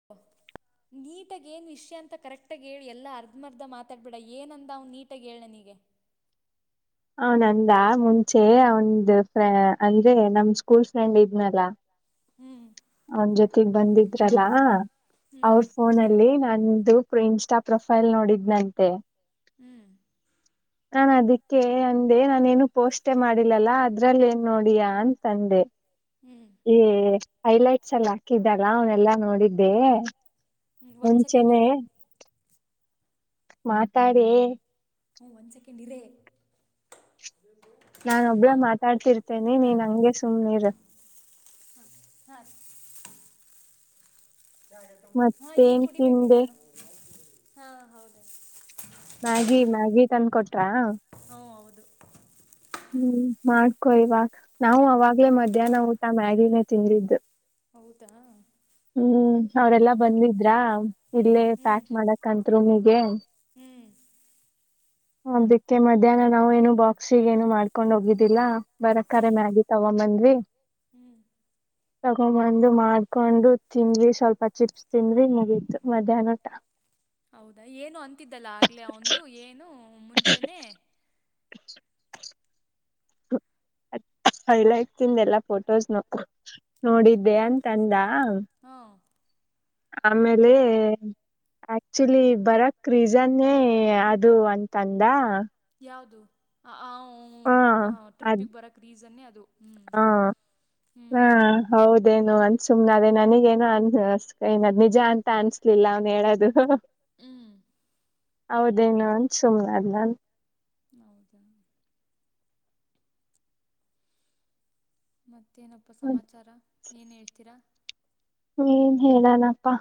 [unintelligible] ನೀಟಾಗಿ ಏನ್ ವಿಷಯ ಅಂತ ಕರೆಕ್ಟಾಗಿ ಹೇಳು ಎಲ್ಲಾ ಅರ್ಧ ಮರ್ದ ಮಾತಾಡ್ಬೇಡ ಏನ ಅಂದ ಅವನು ನೀಟಾಗಿ ಹೇಳ್ನನಿಗೆ ಅವನಂದ ಮುಂಚೆ ಅವಂದ ಫ್ರ ಅಂದ್ರೆ ನಮ್ ಸ್ಕೂಲ್ ಫ್ರೆಂಡ್ ಇದ್ನಲ್ಲ ಹ್ಮ್ ಅವನ್ ಜೊತೆಗ್ ಬಂದಿದ್ರಲ್ಲಾ ಹ್ಞೂ ಅವ್ರ ಫೋನಲ್ಲಿ ನ ನಂದು ಇನ್ಸ್ಟಾ ಪ್ರೊಫೈಲ್ ನೋಡಿದ್ನಂತೆ. ಹ್ಮ್ ನಾನು ಅದಿಕ್ಕೆ ಅಂದೆ ನಾನೇನು ಪೋಸ್ಟ್ ಮಾಡಿಲ್ಲಲ್ಲ ಅದ್ರಲ್ಲಿ ಏನ್ ನೋಡಿಯಾ ಅಂತ ಅಂದೆ ಹ್ಮ್ ಏ ಹೈಲೈಟ್ಸ್ ಎಲ್ಲ ಹಾಕಿದ್ದಲ್ಲ ಅವನೆಲ್ಲಾ ನೋಡಿದ್ದೆ ಹ್ಞೂ ಒಂದು ಸೆಕೆಂಡ್ ಮುಂಚೆನೆ ಇರು ಮಾತಾಡೆ ಹ್ಞ ಒಂದ ಸೆಕೆಂಡ್ ಇರೆ ನಾನ ಒಬ್ಳ ಹಾ [unintelligible] [unintelligible] ಮಾತಾಡ್ತಿರ್ತೇನೆ ಹಾ ನೀನ್ ಹಂಗೆ ಸುಮ್ನಿರು ಹ್ಮ ಹಾ ಹಾ ಈಗ ಮತ್ತೇನ್ ಕುಡಿಬೇಕು ರಿ ತಿಂದೆ ನಾನು ಹಾ ಹೌದ ಮ್ಯಾಗಿ ಮ್ಯಾಗಿ ತಂದ ಕೊಟ್ರಾ ಹ ಹೌದು ಹ್ಮ್ ಮಾಡ್ಕೊ ಇವಾಗ ನಾವು ಅವಾಗ್ಲೇ ಮಧ್ಯಾಹ್ನ ಊಟ ಮ್ಯಾಗಿನೇ ತಿಂದಿದ್ದು ಹೌದಾ ಹ್ಮ್ ಅವ್ರೇಲ್ಲಾ ಹ್ಞೂ ಬಂದಿದ್ರ ಇಲ್ಲೇ ಪ್ಯಾಕ್ ಮಾಡಕತ್ ರೂಮಿಗೆ ಹ್ಮ್ ಅದಿಕ್ಕೆ ಮಧ್ಯಾಹ್ನ ನಾವು ಏನು ಬಾಕ್ಸಿಗೆ ಏನು ಮಾಡ್ಕೊಂಡ್ ಹೋಗಿದ್ದಿಲ್ಲ ಬರಕ್ಕಾರೆ ಮ್ಯಾಗಿ ತಗೊಂಡಬಂದ್ವಿ ಹ್ಮ್ ತಗೊಬಂದು ಮಾಡ್ಕೊಂಡು ತಿಂದ್ವಿ ಸ್ವಲ್ಪ ಚಿಪ್ಸ್ ತಿಂದ್ವಿ ಮುಗೀತು ಮಧ್ಯಾಹ್ನ ಊಟ ಹೌದಾ ಏನು ಅಂತಿದ್ದಲ್ಲ ಆಗ್ಲೆೇ ಒಂದು ಏನು ಮುಂಚೆನೆೇ [unintelligible] [unintelligible] [inaudible] ಹೆಲೈಟ್ಸ್ ಇಂದು ಎಲ್ಲಾ ಫೋಟೋಸ್ ನ ನೋಡಿದ್ದೆ ಅಂತ ಅಂದ ಹಾ ಆಮೇಲೆ ಆಕ್ಚುಲಿ ಬರಕ್ ರೀಸನ್ನೇ ಅದು ಅಂತಂದ ಯಾವುದು ಹ ಹ ಅದ ಟ್ರಿಪ್ಪಿಗೆ ಬರೋಕ್ ರೀಸನ್ನೇ ಅದು ಹ್ಞೂ ಹಾ ಹ್ಞೂ ಹಾ ಹ್ಞೂ ಹ್ಞೂ ಹೌದೇನು ಅಂತ ಸುಮ್ನ ಅದೇ ನನಗೆನು ಅನ್ ಏನ್ ನಿಜ ಅಂತ ಅನ್ಸ್ಲಿಲ್ಲ ಅವ್ನು ಹೇಳದು ಹ್ಮ ಹೌದೇನು ಅಂತ ಸುಮ್ನಾದೆ ನಾನ್ನು ಹೌದಾ ಮತ್ತೇನಪ್ಪ ಸಮಾಚಾರ ಏನು ಹೇಳ್ತೀರಾ ಏನ್ ಹೇಳನಪ್ಪಾ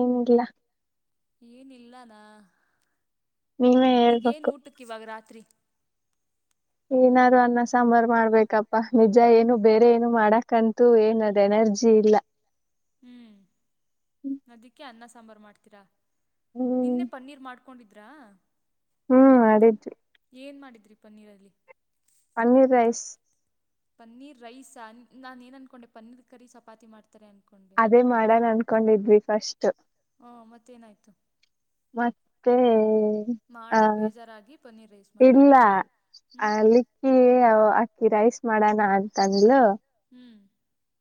ಏನಿಲ್ಲ ಏನಿಲ್ಲಾನ ನೀವೇ ಈಗೇನ್ ಹೇಳ್ಬೇಕು ಊಟಕ್ಕೆ ಇವಾಗ ರಾತ್ರಿ? ಏನಾದ್ರು ಅನ್ನ ಸಾಂಬಾರ್ ಮಾಡ್ಬೇಕಪ್ಪಾ ನಿಜ ಏನು ಬೇರೆ ಏನು ಮಾಡಕಂತೂ ಏನದ್ ಎನರ್ಜಿ ಇಲ್ಲ ಹ್ಮ್ ಅದಕ್ಕೆ ಅನ್ನ ಸಾಂಬಾರ್ ಮಾಡ್ತೀರಾ ಹ್ಮ್ ನಿನ್ನೆ ಪನ್ನೀರ್ ಮಾಡ್ಕ ಕೊಂಡಿದ್ರಾ? ಹ್ಮ್ ಮಾಡಿದ್ವಿ ಏನು ಮಾಡಿದ್ರರಿ ಪನ್ನೀರಲ್ಲಿ ಪನ್ನೀರ್ ರೈಸ್ ಪನ್ನೀರ್ ರೈಸ್ ನಾನು ಏನ್ ಅನ್ಕೊಂಡೆ ಪನ್ನೀರ್ ಕರಿ ಚಪಾತಿ ಮಾಡ್ ತ್ತಾರೆ ಅಂನ್ಕೊಂಡು ಅದೇ ಮಾಡೋಣ ಅನ್ಕೊಂಡಿದ್ವಿ ಫಸ್ಟ್ ಹಾ ಮತ್ತೇನಾಯ್ತು ಮತ್ತೆ ಆ ಮಾಡಕ್ಕೆ ಬೇಜಾರಾಗಿ ಪನ್ನೀರ್ ರೈಸ್ ಇಲ್ಲ ಮಾಡಿದ್ದೀರಾ ಹ್ಞೂ ಅಲಿಕ್ಕಿ ಅಕ್ಕಿ ರೈಸ್ ಮಾಡೋಣ ಅಂತನ್ಲು ಹ್ಮ್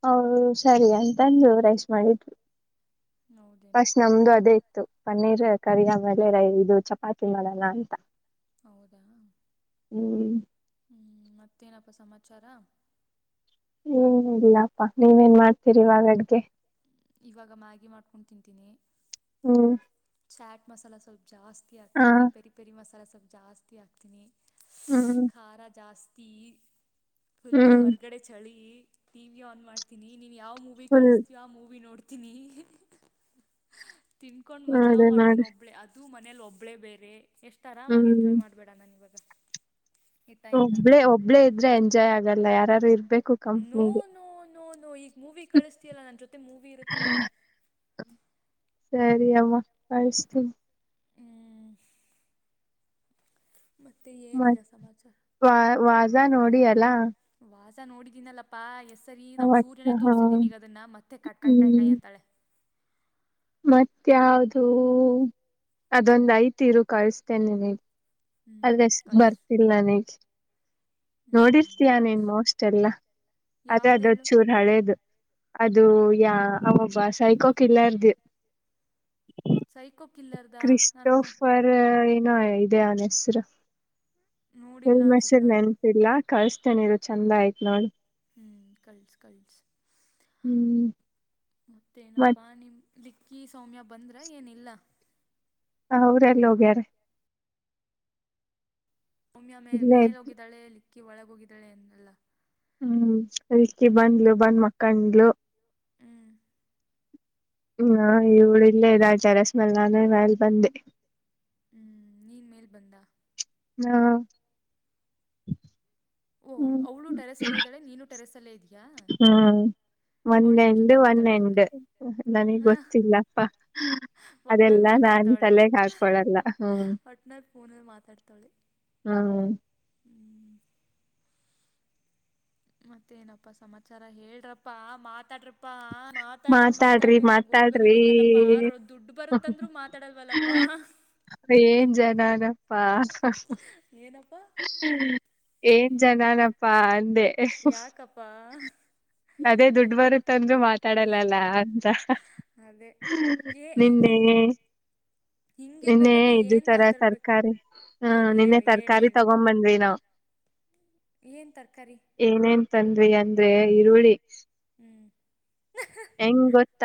ಹ ಸರಿ ಅಂತಂದು ರೈಸ್ ಮಾಡಿದ್ವಿ ಹೌದೇನು ಫಸ್ಟ್ ನಮ್ದು ಅದೇ ಇತ್ತು ಪನ್ನೀರ್ ಕರಿ ಆಮೇಲೆ ರೈ ಇದು ಚಪಾತಿ ಮಾಡಣ ಅಂತ ಹೌದಾ ಹ್ಮ್ ಹ್ಮ ಮತ್ತೇನಪ್ಪಾ ಸಮಾಚಾರ ಹ್ಮ ಏನ್ ಇಲ್ಲಪ್ಪ ನೀವೇನ್ ಮಾಡ್ತೀರಿವಾಗಡ್ಗೆ ಇವಾಗ ಮ್ಯಾಗಿ ಮಾಡ್ಕೊಂಡು ತಿಂತೀನಿ ಹ್ಮ ಚಾಟ್ ಮಸಾಲ ಸ್ವಲ್ಪ ಜಾಸ್ತಿ ಹ ಹಾಕ್ತೀನಿ ಪೆರಿ ಪೆರಿ ಮಸಾಲ ಸ್ವಲ್ಪ ಜಾಸ್ತಿ ಹಾಕ್ತೀನಿ. ಹ್ಮ ಖಾರ ಜಾಸ್ತಿ ಫುಲ್ ಹ್ಮ್ ಹೊರಗಡೆ ಚಳಿ ಟಿ ವಿ ಆನ್ ಮಾಡ್ತೀನಿ ನೀನು ಯಾವ ಮೂವಿ ಫುಲ್ ಕಳಿಸ್ತೀಯೋ ಆ ಮೂವಿ ನೋಡ್ತೀನಿ ತಿಂದಕೊಂಡು ಮಜಾ ಮಾಡ ಮಾಡ ಮಾಡ್ತೀನಿ ಒಬ್ಬಳೇ ಅದು ಮನೇಲಿ ಒಬ್ಬಳೇ ಬೇರೆ ಎಷ್ಟು ಆರಾಮಾಗಿ ಹ್ಮ್ ಎಂಜಾಯ್ ಮಾಡ್ಬೇ ಧಾನಾನಾ ಈವಾಗ ಒಬ್ಬಳೇ ಒಬ್ಳೇ ಇದ್ರೆ ಎಂಜಾಯ್ ಆಗಲ್ಲ ಯಾರಾರು ಇರ್ಬೇಕು. ನೋ ಕಂಪ್ನಿಗೆ ನೋ ನೋ ನೋ ಈಗ ಮೂವಿ ಕಳಿಸತಿಯಲ್ಲಾ ನನ್ನ ಜೊತೆ ಮೂವಿ ಇರುತ್ತೆ ಇವಾಗ ಸರಿ ಅಮ್ಮ ಕಳ್ಸ್ತೀನಿ ಹ್ಮ್ ಮತ್ತೆ ಮತ್ ಏನ್ನಿಲ್ಲ ಸಮಾಚಾರ ವಾ ವಾಜಾ ನೋಡಿ ಅಲ್ಲಾ ವಾಸ ನೋಡಿದನಲ್ಲಪ್ಪ ಪ್ಪಾ ಹೆಸ್ ಸರಿ ನಮ್ ಅವತ್ ಸೂರ್ಯನೇ ಹಾ ತೋರ್ಸಿದ್ನಿ ಈಗ ಅದನ್ನ ಮತ್ತ ಕಟ್ಕಾಯಿ ಕಾಯಿ ಕಾಯಿ ಅಂತಳೆ ಮತ್ತ ಯಾವ್ದೂ ಅದೊಂದ ಐತ್ ಇರು ಕಳಸ್ತೇನೆ ಹ್ಮ್ ಅದೇ ಕಳ್ಸು ಬರ್ತಿಲ್ಲ ನನಗ್ ಹ್ಮ್ ನೋಡಿರ್ತೀಯಾ ನೀನ್ ಕಳ್ಸು ಮೋಸ್ಟ್ ಎಲ್ಲ ಅದೇ ಯಾವ್ದ ಅದ ಹೇಳು ಚೂರ್ ಹಳೇದು ಅದು ಯಾ ಅವೊಬ್ಬ ಸೈಕೋ ಕಿಲ್ಲಾರ್ದು ಸೈಕೋ ಕಿಲ್ಲರ್ದ ನಾನು ನೋಡಿ ಏನ [unintelligible] ಇದೆ ಅವ್ನ್ ಹೆಸರು ನೋಡಿಲ್ಲ ಅನ್ಸುತ್ತೆ [unintelligible] ನಾನು [unintelligible] ಇಲ್ಲ ಕಳಸ್ತೇನೆ ಇರು ಚಂದ ಆಯ್ತೆ ನೋಡು ಹ್ಮ್ ಕಲ್ಸ್ ಕಲ್ಸ್ ಹ್ಮ್ ಮತ್ತೇನಪ್ಪ ಮತ್ ನಿಮ್ ಕ್ಕಿ ಸೌಮ್ಯ ಬಂದ್ರ ಏನಿಲ್ಲ ಹ ಅವ್ರ ಎಲ್ಲಿ ಹೋಗ್ಯಾರಾ ಸಮ್ಯ ಮೇ ಇಲ್ಲೇ ಇದ್ ಮೇಲೆೋಗಿದ್ದಾಳೆ ಲಿಕ್ಕಿ ಒಳಗೋಗಿದ್ದಾಳೆ ಅನ್ನಲ್ಲ ಹ್ಮ್ ಅಲ್ಕಿ ಬಂದ್ಲು ಬಂದ್ ಮಕ್ಕಂಡ್ಲು ಹ್ಮ ಹ ಇವಳ ಇಲ್ಲೇ ಇದ್ದಾಳೆ ಟೇರೆಸ್ ಮೇಲೆ ನಾನೇ ಮೇಲೆ ಬಂದೆ ನೀನು ಮೇಲ್ ಬಂದ ಹಾ ಓ ಹ್ಮ್ ಅವಳು ಟೆರೆಸ್ ಅಲ್ಲೆ ಇದ್ದಳೆ ನೀನು ಟರೆಸ್ ಅಲ್ಲೆ ಇದೆಯ ಹ್ಮ ಒಂದ್ ಎಂಡ್ ಜೊತೆ ಒನ್ ಮಾತಾಡ್ತಾವಳೆ ಎಂಡ್ ನನಗ್ ಹಾಂ ಗೊತ್ತಿಲ್ಲಪ್ಪ ಒಟ್ನಲ್ಲಿ ಅದೆಲ್ಲಾ ನಾನ್ ಮಾತಾಡ್ತಾವಳೆ ತಲೆಗೆ ಹಾಕೊಳಲ್ಲ ಹ್ಮ್ ಒಟ್ನಲ್ಲಿ ಫೋನಲ್ಲಿ ಹ ಹ್ಮ್ ಮತ್ತೇನಪ್ಪಾ ಸಮಾಚಾರ ಹೇಳ್ರಪ್ಪಾ ಮಾತಾಡ್ರಪ್ಪಾ ಮಾತಾಡ್ರಿ ಮಾತಾಡ್ರಿ ಅಂತ ಗೋಗರಿ ಬೇಕಲ್ಲಪ್ಪ ಆರ ದುಡ್ಡು ಬರುತ್ತಾನ್ದ್ರೂ ಮಾತಾಡಲ್ವಲ್ಲಪ್ಪ ಏನ್ ಜನಗಳಪ್ಪಾ ಏನಪ್ಪಾ ಏನ್ ಜನಾನಪ್ಪಾ ಅಂದೆ ಯಾಕಪ್ಪಾ ಅದೇ ದುಡ್ದ್ ಬರು ತಂದು ಮಾತಾಡಲ್ಲಲ್ಲ ಅಂತ ಅದೇ ಏ ನಿನ್ನೆ ಹಿಂಗ್ ನಿನ್ನೆ ಹಿಂಗಿರ್ಬೇಕಾದ್ರೆ ಇದು ಏನ್ ತರಕಾರಿ ಮಾತಾಡ್ಬೇಕು ತರ್ಕಾರಿ ಹ್ಮು ಹ ನಿನ್ನೆ ಹೇಳು ಹೇಳು ತರಕಾರಿ ತಗೋ ಬಂದ್ವಿ ನಾವು. ಏನು ತರಕಾರಿ ಏನೇನ್ ತಂದೆ ಅಂದೆ ಈರುಳ್ಳಿ. ಹ್ಮ್ ಹೆಂಗ್ ಗೊತ್ತ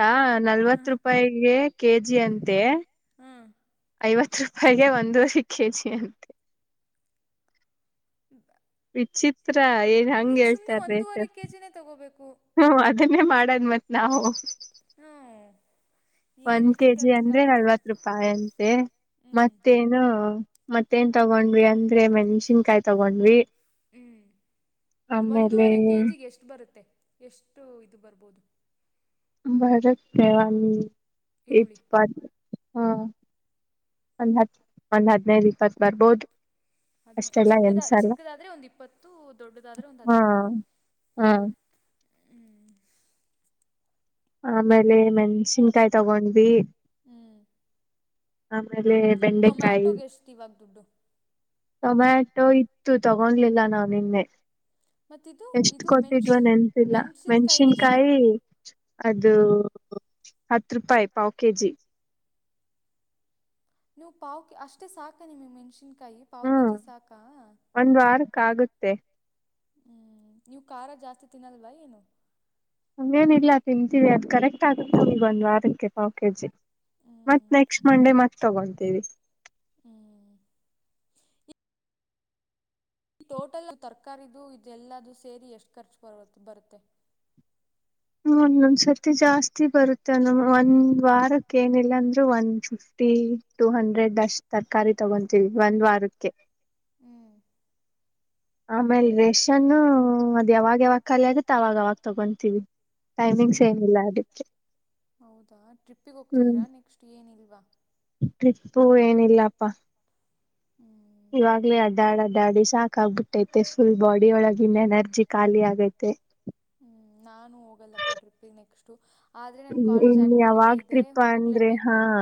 ಹ ನಲವತ್ತು ರೂಪಾಯಿಗೆ ಕೆಜಿ ಅಂತೆ. ಹು ಐವತ್ತು ರೂಪಾಯಿಗೆ ಒಂದೂವರಿ ಕೆಜಿ ಅನ್ನು ಇಗ ವಿಚಿತ್ರ ಏನ್ ಹಂಗ್ ಹೇಳ್ತಾರ್ ರೇಟ್. ಒಂದೂವರೆ ಕೆ ಜಿನೇ ತಗೋಬೇಕು ಹ್ಮ ಅದನ್ನೇ ಮಾಡದ್ ಮೇಕ್ ನಾವು. ಹ್ಮ್ಮ್ ಒಂದ್ ಕೆಜಿ ಅಂದ್ರೆ ನಲ್ವತ್ ರೂಪಾಯಿ ಅಂತೆ ಹ್ಮ್ ಮತ್ತೇನು ಮತ್ತೇನ್ ತಗೊಂಡ್ವಿ ಅಂದ್ರೆ ಮೆಣಸಿನಕಾಯಿ ತಗೊಂಡ್ವಿ. ಹ್ಮ್ ಆಮೇಲೆ ಒಂದೂವರೆ ಕೆಜಿಗೆ ಎಷ್ಟು ಬರುತ್ತೆ ಎಷ್ಟು ಇದು ಬರ್ಬೋದು. ಬೆಳಗ್ಗೆ ದ್ರಾವು ಲಿಚ್ ಈರುಳ್ಳಿ ಪಾಬು ಹ್ಮು. ಒಂದ್ ಹತ್ ಒಂದ್ ಹದ್ನೈದು ಇಪ್ಪತ್ ಬರ್ಬೋದು. ಹದ್ನೈದು ಅಷ್ಟೆಲ್ಲ ಚಿಕ್ಕದ ಎನ್ಸಲ್ಲ ಚಿಕ್ಕದಾದ್ರೆ ಒಂದ್ ಇಪ್ಪತ್ತು ದೊಡ್ಡದಾದ್ರೆ ಒಂದು ಹಾ ಹದಿನೈದ. ಹಾ ಆಮೇಲೆ ಮೆಣ್ಸಿನ್ಕಾಯಿ ತಗೊಂಡ್ವಿ. ಹ್ಮ್ ಆಮೇಲೆ ಬೆಂಡೆಕಾಯಿ ಟೊಮ್ಯಾಟೊಗೆ ಎಷ್ಟು ಇವಾಗ ದುಡ್ಡು ಟೊಮ್ಯಾಟೊ ಇತ್ತು ತಗೊಂಡ್ ಲ್ಲಿಲ್ಲ ನಾವು ಇಲ್ಪಿ. ಮತ್ತಿದು ಎಷ್ಟು ಇದು ಮೆಣ್ಸ್ ಕೊಟ್ಟಿದ್ಯೋ ನೆನಪಿಲ್ಲ ಮೆಣ್ಸಿನ್ಕಾಯಿಗೆ ಎಷ್ಟು ಮೆಣಸಿನಕಾಯಿ. ಅದು ಹತ್ತು ರೂಪಾಯಿ ಪಾವ್ ಕೆಜಿ. ನೀವು ಪಾವು ಕೆ ಅಷ್ಟು ಸಾಕಾ ನಿಮ್ಮ ಮೆಣಸಿನಕಾಯಿ ಪಾವು ಹ್ಮ್ ಕೆಜಿ ಸಾಕಾ. ಒಂದ್ ವಾರಕ್ಕೆ ಆಗುತ್ತೆ. ಹ್ಮ್ ನೀವು ಖಾರ ಜಾಸ್ತಿ ತಿನ್ನಲ್ವಾ ಏನು. ಹಂಗೇನಿಲ್ಲ ತಿಂತೀವಿ ಅದು ಕರೆಕ್ಟ್ ಆಗುತ್ತೆ ಈಗ ಒಂದ್ ವಾರಕ್ಕೆ ಪಾವ್ ಕೆಜಿ. ಹ್ಞೂ ಮತ್ ನೆಕ್ಸ್ಟ್ ಮಂಡೇ ಮತ್ ತಗೊಂತೀವಿ. ಹ್ಮ್ಮ್ ಟೋಟಲಿ ತರಕಾರಿದು ಇದೆಲ್ಲದು ಸೇರಿ ಎಷ್ಟ್ ಖರ್ಚು ಬರು ಬರುತ್ತೆ. ಒಂದೊಂದು ಸರ್ತಿ ಜಾಸ್ತಿ ಬರುತ್ತೆ ನಮ್ಮು. ಒಂದ್ ವಾರಕ್ಕೆ ಏನಿಲ್ಲ ಅಂದ್ರೆ ಒಂದು ಫಿಫ್ಟಿ ಟೂ ಹಂಡ್ರೆಡ್ ಅಷ್ಟೆ. ತರಕಾರಿ ತಗೊಂತೀವಿ ಒಂದ್ ವಾರಕ್ಕೆ. ಹ್ಮು ಆಮೇಲ್ ರೇಷನ್ನು ಅದ್ ಯಾವಾಗ ಯಾವಾಗ ಖರೆ ಆಗುತ್ತಾ ಅವಾಗ ಅವಾಗ ತಗೊಂತೀವಿ. ಟೈಮಿಂಗ್ಸ್ ಹ್ಮ ಏನಿಲ್ಲ ಅದಕ್ಕೆ ಹೌದಾ ಟ್ರಿಪ್ಪಿಗೆ ಹ್ಮ್ ಹೋಗ್ತೀರಾ ನೆಕ್ಸ್ಟ್ ಏನು ಇಲ್ವಾ. ಟ್ರಿಪ್ಪು ಇಲ್ಲಪ್ಪಾ. ಹ್ಮ್ ಇವಾಗಲೇ ಅಡ್ಡಾಡ್ ಅಡ್ಡಾಡಿ ಸಾಕ್ ಆಗ್ಬಿಟೈತೆ ಫುಲ್ ಬಾಡಿ ಒಳಗಿನ್ ಎನರ್ಜಿ ಖಾಲಿ ಆಗೈತೆ. ಹ್ಮ್ ನಾನು ಹೋಗಲ್ಲಪ್ಪ ಟ್ರಿಪಿಗೆ ನೆಕ್ಸ್ಟ್ ಆದರೆ ನನ್ನ ಕಾಲೇಜ್ ಇನ್ ಆ್ಯಕ್ಟಿವಿಟಿ ಯಾವಾಗ ಇದೆ ಟ್ರಿಪ್ ಅಂದ್ರೆ ಹೋಗಲೇಬೇಕು ಹಾ ನಾನು.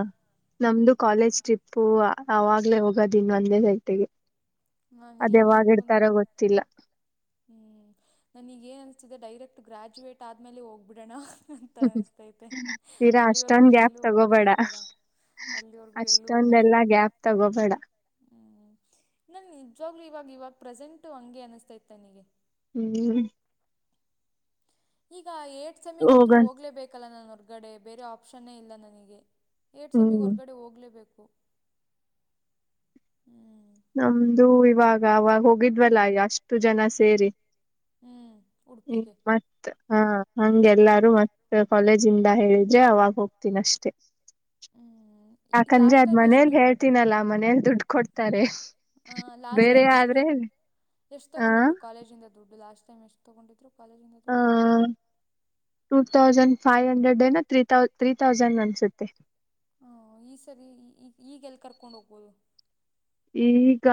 ನಮ್ದು ಕಾಲೇಜ್ ಟ್ರಿಪ್ಪು ಆವಾಗ್ಲೇ ಹೋಗೋದ ಇನ್ ಒಂದೇ ಗಂಟೆಗೆ. ನಾನು ಅದು ಏನು ಯಾವಾಗ್ ಅನ್ಕೊಂಡ ಇಡ್ತಾರೋ ಗೊತ್ತಿಲ್ಲ. ಹ್ಞೂ ನನೀಗ್ ಏನ್ ಅನಿಸ್ತಿದೆ ಡೈರೆಕ್ಟ್ ಗ್ರ್ಯಾಜುಯೇಟ್ ಆದ್ಮೇಲೆ ಹೋಗ್ಬಿಡಣ ಅಂತ ಅನ್ಸ್ತೈತೆ ತೀರಾ ಅಲ್ಲಿವರ್ಗೂ ಅಷ್ಟೊಂದ್ ಗ್ಯಾಪ್ ಎಲ್ಲೂ ತಗೋಬೇಡ ಹೋಗೋದೆ ಬೇಡ. ಅಲ್ಲಿವರ್ಗೂ ಎಲ್ಲೂ ಹೋಗದ ಅಷ್ಟೊಂದೆಲ್ಲಾ ಬೇಡ. ಗ್ಯಾಪ್ ತಗೋಬೇಡ ಹ್ಮ್ ನನ್ ನಿಜವಾಗ್ಲು ಇವಾಗಿವಾಗ ಪ್ರೆಸೆಂಟು ಹಂಗೆ ಅನ್ಸ್ತೈತ್ ನನಿಗೆ. ಹ್ಮ್ ಈಗ ಏಟ್ ಸೆಮ್ಮಿಗಂತೂ ಹೋಗನ್ ಹೋಗ್ಲೇಬೇಕೇಲ್ಲ ನಾನ ಹೊರ್ಗಡೆ ಬೇರೆ ಆಪ್ಷನ್ನೇ ಇಲ್ಲ ನನಿಗೆ ಏಟ್ ಸೆಮ್ಮಿಗ್ ಹ್ಮ್ ಹೊರ್ಗಡೆ ಹೋಗ್ಲೇಬೇಕು ನಮ್ದು ಇವಾಗ ಅವಾಗ ಹೋಗಿದ್ವಲ್ಲ ಅಷ್ಟು ಜನ ಸೇರಿ. ಹ್ಞೂ ಹ್ಮ ಉಡುಪಿಗೆ ಮತ್ತ ಹಂಗೆಲ್ಲಾರು ಮತ್ತೆ ಕಾಲೇಜಿಂದ ಹೇಳಿದ್ರೆ ಅವಾಗ್ ಹೋಗ್ತೀನಷ್ಟೆ ಹ್ಞೂ ಯಾಕಂದ್ರೆ ಲಾಸ್ಟ್ ಅದ್ ಟೈಮ್ ಮನೇಲಿ ಎಷ್ಟು ಹೇಳ್ತೀನಲ್ಲಾ ಮನೇಲಿ ದುಡ್ ಕೊಡ್ತಾರೆ. ಹಾ ಲಾಸ್ಟ್ ಬೇರೆ ಟೈಮ್ ಎಷ್ಟು ಆದ್ರೆ ಎಷ್ಟು ಆ ತಗೊಂಡಿದ್ರು ಕಾಲೇಜಿಂದ ದುಡ್ಡು ಲಾಸ್ಟ್ ಟೈಮ್ ಎಷ್ಟ್ ತಗೊಂಡಿದ್ರು. ಕಾಲೇಜಿಂದ ಆ ದುಡ್ಡು ಟೂ ತೌಸಂಡ್ ಫೈವ್ ಹಂಡ್ರೆಡ್ ಏನ ತ್ರೀ ತೌ ತ್ರೀ ತೌಸಂಡ್ ಅನ್ಸುತ್ತೆ. ಹೊ ಈ ಸರಿ ಈ ಈಗೆಲ್ ಕರ್ಕೊಂಡ್ ಹೋಗ್ಬೋದು ಈಗ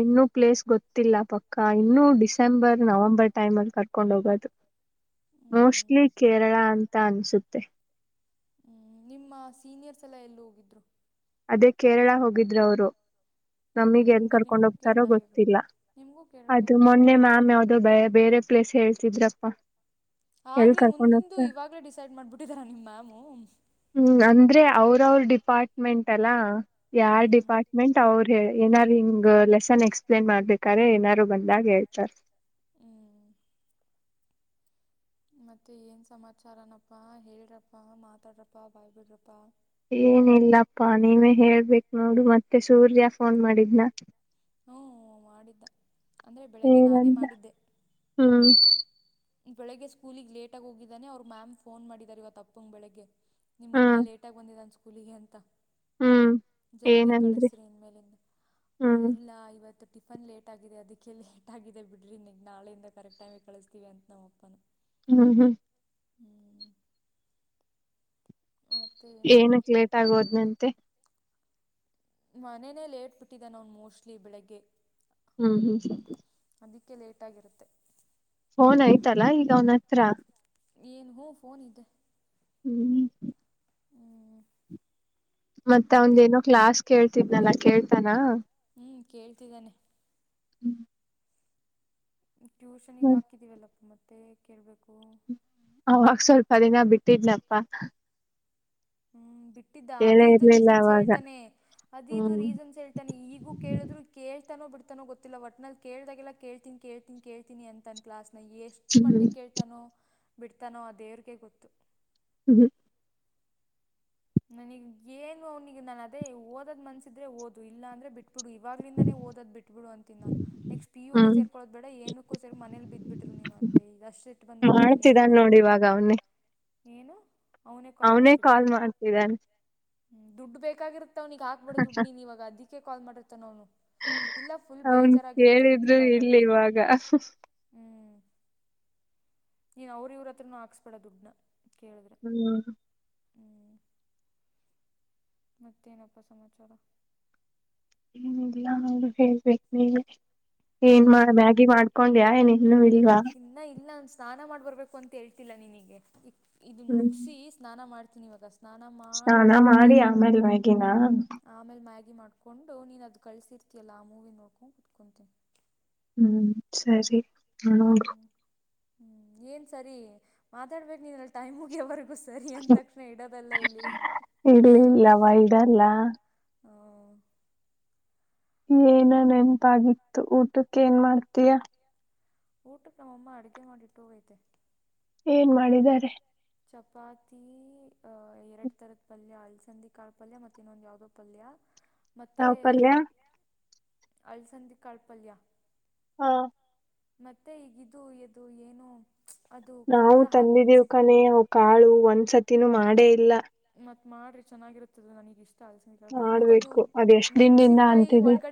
ಇನ್ನು ಪ್ಲೇಸ್ ಗೊತ್ತಿಲ್ಲ ಪಕ್ಕ ಇನ್ನು ಡಿಸೆಂಬರ್ ನವಂಬರ್ ಟೈಮಲ್ ಕ ಕರ್ಕೊಂಡ್ ಹೋಗೋದು ಹ್ಞೂ ಮೋಸ್ಟ್ಲಿ ಕೇರಳ ಅಂತ ಅನ್ಸುತ್ತೆ. ಹ್ಮ್ ನಿಮ್ಮ ಸೀನಿಯರ್ಸ್ ಎಲ್ಲಾ ಎಲ್ ಹೋಗಿದ್ರು ಅದೇ ಕೇರಳ ಹೋಗಿದ್ರವ್ರು, ಹ್ಮ್ ನಮಿಗ್ ಎಲ್ ಹಂಗಾರ ಕರ್ಕೊಂಡ್ ನಿಮಗೂ ಹೋಗ್ತಾರೋ ಕೇರಳಗೆ ಗೊತ್ತಿಲ್ಲ ನಿಮಗೂ ಕೇರಳಗೆ ಅದು ಕರ್ಕೊಂಡು ಮೊನ್ನೆ ಹೋಗ್ತಾರೆ ಮ್ಯಾಮ್ ಮತ್ತೆ ಯಾವ್ದೋ ಬ ಬೇರೆ ಪ್ಲೇಸ್ ಹೇಳ್ತಿದ್ರಪ್ಪಾ ಎಲ್ ಆಗ್ಲೇ ಕರ್ಕೊಂಡ್ ಮುಂದಿಂದು ಹೋಗ್ತಾರ ಇವಾಗ್ಲೇ ಡಿಸೈಡ್ ಮಾಡ್ಬಿಟ್ಟಿದರಾ ನಿಮ್ ಮ್ಯಾಮು. ಹ್ಮ್ ಅಂದ್ರೆ ಅವ್ರ್ ಅವ್ರ್ ಡಿಪಾರ್ಟ್ಮೆಂಟ್ ಅಲ್ಲಾ ಯಾರ್ ಹ್ಮ್ ಡಿಪಾ ಮೆಂಟ್ ಅವ್ರು ಏನಾರು ಹಿಂಗ್ ಲೆಸನ್ ಎಕ್ಸ್ಪ್ಲೇನ್ ಮಾಡ್ಬೇಕಾದ್ರೆ ಏನಾರು ಬಂದಾಗ ಹೇಳ್ತಾರೆ. ಹ್ಮ್ ಮತ್ತೆ ಏನ್ ಸಮಾಚಾರನಪ್ಪ ಹೇಳ್ರಪ್ಪ ಮಾತಾಡ್ರಪ್ಪ ಬಾಯ್ ಬಿಡ್ರಪ್ಪ. ಏನಿಲ್ಲಪ್ಪಾ ನೀವೇ ಹೇಳ್ಬೇಕ್ ನೋಡು ಮತ್ತೆ ಸೂರ್ಯ ಫೋನ್ ಮಾಡಿದ್ನ. ಹ್ಞೂ ಮಾಡಿದ್ದ ಅಂದ್ರೆ ಬೆಳಿಗ್ಗೆ ನಾನೇ ಮಾಡಿದ್ದೆ ಹ್ಮ ಬೆಳಗ್ಗೆ ಸ್ಕೂಲಿಗ್ ಲೇಟಾಗ್ ಹೋಗಿದನೆ ಅವ್ರ್ ಮ್ಯಾಮ್ ಫೋನ್ ಮಾಡಿದಾರೆ ಇವತ್ತು ಅಪ್ಪಂಗ್ ಬೆಳಗ್ಗೆ. ನಿಮ್ಮ ಹುಡ್ಗ ಹ್ಮ್ ಲೇಟಾಗ್ ಬಂದಿದ್ದಾನ್ ಸ್ಕೂಲಿಗೆ ಅಂತ ಹ್ಮ್ ಜಲ್ದಿ ಏನಂದ್ರಿ ಕಳ್ಸ್ರಿ ಇನ್ ಮೇಲಿಂದ ಹ್ಮ ಹ್ಮ್ ಇಲ್ಲ ಇವತ್ತು ಟಿಫನ್ ಲೇಟ್ ಆಗಿದೆ ಅದಿಕ್ಕೆ ಲೇಟ್ ಆಗಿದೆ ಬಿಡ್ರಿ ನಿಗ್ ನಾಳೆಯಿಂದ ಕರೆಕ್ಟ್ ಟೈಮ್ಗೆ ಕಳಿಸ್ತೀವಿ ಅಂತ್ ನಮ್ಮ ಅಪ್ಪ. ಹ್ಮ್ ಹ್ಮ್ ಮತ್ತು ಏನಪ್ಪ ಏನುಕ್ ಲೇಟಾಗೋದ್ನಂತೆ. ಮನೆನೆ ಲೇಟ್ಬಿಟ್ಟಿದನ್ ಅವ್ನ್ ಮೋಸ್ಟ್ಲಿ ಬೆಳಿಗ್ಗೆ. ಹ್ಮ್ ಹ್ಮ್ ಅದಿಕ್ಕೆ ಲೇಟಾಗಿರುತ್ ಫೋನ್ ಐತಲ ಈಗ್ ಅವ್ನ್ ಹತ್ರ ಏನ್ ಹೂ ಫೋನ್ ಇದ್ ಹ್ಮ್ ಹ್ಞೂ ಮತ್ತೆ ಮತ್ತೇನು ಅವ್ನ್ದೇನೋ ಕ್ಲಾಸ್ ಕೇಳ್ತಿದ್ನಲ್ಲ ಕೇಳ್ತಾನ? ಹ್ಞೂ ಕೇಳ್ತಿದನೆ ಹ್ಮ್ ಟ್ಯೂಷನ್ನಿಗ್ ಹಾಕಿದೀವಲ್ಲ ಮತ್ತೆ ಕೇಳ್ಬೇಕು ಅವಾಗ್ ಸ್ವಲ್ಪ ದಿನ ಬಿಟ್ಟಿದ್ನಪ್ಪ ಹ್ಮ್ ಬಿಟ್ಟಿದ್ದ ಅದ ಹೇಳೇ ಇದು ಇರ್ಲಿಲ್ಲ ರೀಸನ್ಸ್ ಅವಾಗ ಹೇಳ್ತಾನೆ ಅದ ಇದು ಹ್ಮ್ ರೀಸನ್ಸ್ ಹೇಳ್ತ. ತ ಈಗೂ ಕೇಳಿದ್ರು ಕೇಳ್ತಾನೋ ಬಿಡ್ತಾನೋ ಗೊತ್ತಿಲ್ಲ ವಟ್ ನಲ್ಲಿ ಕೇಳ್ದಾಗೆಲ್ಲ ಕೇಳ್ತೀನ್ ಕೇಳ್. ಕೇಳ್ತೀನಿ ಅಂತಂದು ಕ್ಲಾಸ್ನ ಎಷ್ಟು ಹ್ಮ್ ಮಟ್ಟಿಗೆ ಕೇಳ್ತಾನೋ ಬಿಡ್ತಾನೋ ಅ ದೇವ್ರಿಗೆ ಗೊತ್ತು. ಹ್ ಹ್. ನನಗ್ ಏನು ಅವ್ನಿಗೆ ನಾನ ಅದೇ ಓದ್ ಮನ್ಸಿದ್ರೆ ಓದು ಇಲ್ಲ ಅಂದ್ರೆ ಬಿಟ್ಬಿಡು ಇವಾಗ್ಲಿಂದಾನೇ ಓದ್ ಬಿಟ್ಟ. ಇಟ್ಬ ಬಿಡು ಅಂತೀ ನಾನು. ನೆಸ್ಟ್ ಪಟಿ ಹೂ ಹ್ಮ್ ಸೇರ್ಕೊಳ್ಳೋದ ಬೇಡ ಏನಕ್ಕೋ ಸರಿ ಮೇಲಿ ಬ್ ಬಿಟ್ರು ನೀನು ಅಂತೆ ಈ ಅಷ್ಟ ಇಟ್ ಬಂದಬ ಬಿಡೆ ನನಗರು ಮಾಡ್ತಿದಾನ ಒಂದ. ನೋಡಿ ಇವಾಗ ಅವನ್ನೆ. ಇನು. ಅವನೇ ಕಾಲ್ ಮಾಡ್ತಿದ್ದಾನ. ಹ್ಮ ದುಡ್ ಬೇಕಾಗಿತ್ತ ಅವನಿಗೆಗ ಹಾಕ್ಬಿಡು ದುಡ್ ನೀನ್ ಇವಾಗ ಅದಕ್ಕೆ ಕಾ ಮಾಡಿರ್ತಾನ ಅವ್ನು. ಇಲ್ಲ ಫುಲ್ ಅವನ್ ಬೇಜಾರಾಗಿರುತ್ತೆ ಅದಕ್ಕೆ ಕೇಳಿದ್ರು ಕಾಲ್ ಇಲ್ಲ ಮಾಡಿರ್ತೀನಿ. ಇವಾಗ ಹ್ಮ್ ನೀನ್ ಅವ್ರ ಇವ್ರ ಹತ್ರನು ಹಾಕ್ಸ್ಬೇಡ ದುಡ್ನ ಕೇಳಿದ್ರೆ. ಹ್ಮ್. ಹ್ಮ. ಮತ್ತೇನಪ್ಪ ಸಮಾಚಾರ. ಏನಿದಿಲ್ಲ ನ ಹೇಳ್ಬೇಕು ನೀಗೆ. ಏನ್ ಮಾಡ ನಾವೇನು ಹೇಳೋದು ಮ್ಯಾಗಿ ಮಾಡ್ಕೊಂಡ ಯ ಏನ್ ಇನ್ನು ಇಡವಾ. ನಾಇಲ್ಲ ಒಂದು ಸ್ನಾನ ಮಾಡ್ ಬರ್ಬೇಕು ಅಂತ ಹೇಳ್ತಿಲ್ಲ ನಿನಗೆ. ಇದನ್ನ ಹ್ಮ್ ಮುಗಿಸಿ ಸ್ನಾನ ಮಾಡ್ತೀನಿ ಇವಾಗಷ್ಟ. ಹ ನಾ ಮಾಡಿ ಆಮೇಲೆ ಮಗಿನ. ಆಮೇಲೆ ಮ್ಯಾಗಿ ಮಾಡ್ಕೊಂಡು ನೀನು ಅದು ಕಳಿಸಿರ್ತೀಯಲ್ಲ ಆ ಮೂವಿನ ನೋಡ್ಕೊಂಡು ಕುತ್ಕೊತೀನಿ. ಹ್ಮ್ ಸರಿ ನೋಡ. ಹ್ಮ್ ಹ್ಮ್ ಏನ್ ಸರಿ ಮಾತಾಡ್ಬೇಕೇು ನೀನಲ್ಲ ಟೈಮ್ ಮುಗಿಯವರ್ಗೂ. ಸರಿ ಅಂದ ತಕ್ಷಣ ಇಡೋದಲ್ಲ ಇಲ್ಲಿ. ಇಡ್ಲಿ ಇಲ್ಲವಾ ಇಡಲ್ಲ ಹಾ. ಏನ ನೆನಪಾಗಿತ್ತು ಊಟಕ್ಕೆ ಏನ್ ಮಾಡ್ತೀಯಾ. ಊಟಕ್ಕೆ ನಮ್ಮಮ್ಮ ಅಡುಗೆ ಮಾಡಿಟ್ಟು ಹೋಗೈತೆ. ಏನ್ ಮಾಡಿದ್ದಾರೆ. ಚಪಾತಿ ಅಹ ಎರಡ್ ತರದ ಪಲ್ಯ ಅಲ್ಸಂದಿ ಕಾರ್ ಪಲ್ಯ ಮತ್ತೆ ಇನ್ನೊಂದು ಯಾವವುದೋ ಪಲ್ಯ. ಮತ್ತೆ ನಾವ್ ಪಲ್ಯ ಅಳ್ಸಂದಿ ಕಾಳ್ಪಲ್ಯ. ಹಾ ಮತ್ತೆ ಈಗಿದು ಇದು ಏನು. ಅದು ನಾವು ಖಾರ ಹಾಕಿ ತಂದಿದ್ದೀವ್ ಮೆಣಸಿ ಕಾನೆ ಅವ್ ಕಾಳು ಒಂದ್ಸತಿನೂ ಮಾಡೇ ಇಲ್ಲ. ಮತ್ ಮಾಡ್ರಿ ಚೆನ್ನಾಗಿರುತ್ತದ ನನಗ್ ಇಷ್ಟ ಅಲಸಿನ ಕಳ್ಪದೆ ಮತ್ ಅದು ಮಾಡ್ಬೇಕು ಅದ್ ಎಷ್ಟ್ ದಿನದಿಂದ ಮೆಣಸಿನನ್ಕಾಯಿ ಅಂತಿದಿ ಒಳಗಡೆ.